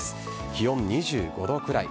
気温２５度くらい。